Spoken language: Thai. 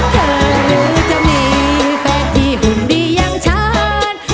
เธอจะมีแฟนที่หุ่นดีอย่างฉัน